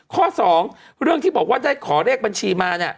ข้อสองเรื่องที่บอกว่าได้ขอเลขบัญชีมาเนี่ย